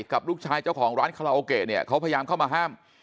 กับลูกชายเจ้าของร้านคาราโอเกะเนี่ยเขาพยายามเข้ามาห้าม